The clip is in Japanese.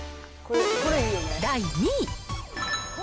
第２位。